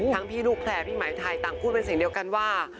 พี่ลูกแผลพี่หมายไทยต่างพูดเป็นเสียงเดียวกันว่า